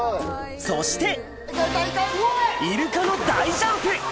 そしてイルカの大ジャンプ！